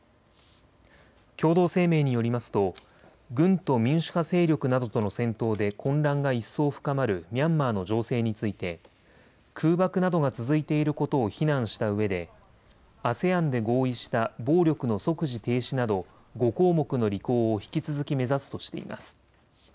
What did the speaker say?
共同声明によりますと軍と民主派勢力などとの戦闘で混乱が一層深まるミャンマーの情勢について空爆などが続いていることを非難したうえでＡＳＥＡＮで合意した暴力の即時停止など５項目の履行を引き続き目指すとしています。